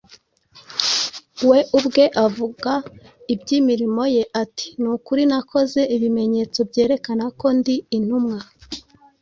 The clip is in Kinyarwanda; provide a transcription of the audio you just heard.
We ubwe avuga iby’imirimo ye ati, “Ni ukuri nakoze ibimenyetso byerekana ko ndi intumwa,